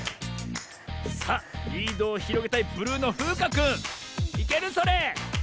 さあリードをひろげたいブルーのふうかくんいけるそれ？